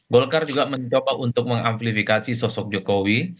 golkar juga mencoba untuk mengamplifikasi sosok jokowi